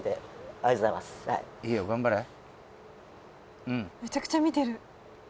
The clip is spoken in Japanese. はいめちゃくちゃ見てる